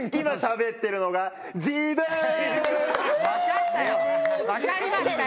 今しゃべってるのがじぶん！